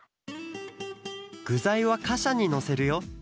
ぐざいはかしゃにのせるよ。